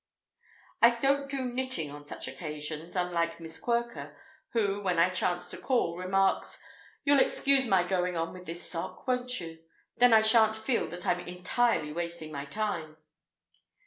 I don't do knitting on such occasions, unlike Miss Quirker who, when I chance to call, remarks, "You'll excuse my going on with this sock, won't you?—then I shan't feel that I'm entirely wasting my time!"